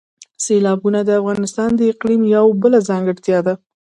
سیلابونه د افغانستان د اقلیم یوه بله ځانګړتیا ده.